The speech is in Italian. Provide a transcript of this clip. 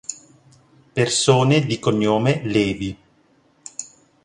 Persone di cognome Levi